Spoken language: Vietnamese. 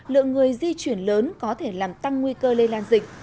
lượng người di chuyển lớn có thể làm tăng nguy cơ lây lan dịch